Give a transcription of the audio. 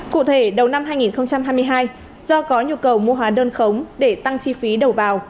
cụ thể đầu năm hai nghìn hai mươi hai do có nhu cầu mua hóa đơn khống để tăng chi phí đầu vào